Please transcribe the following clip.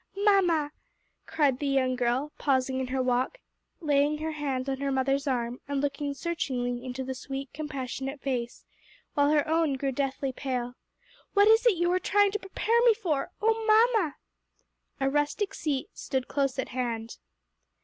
"Mamma," cried the young girl, pausing in her walk, laying her hand on her mother's arm and looking searchingly into the sweet, compassionate face, while her own grew deathly pale, "what is it you are trying to prepare me for? O mamma!" A rustic seat stood close at hand.